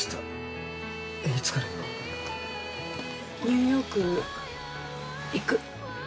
ニューヨーク行く。